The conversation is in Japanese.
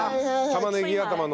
玉ねぎ頭の？